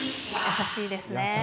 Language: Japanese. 優しいですね。